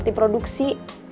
dia gak ngerti produksi